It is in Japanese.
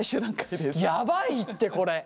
やばいってこれ。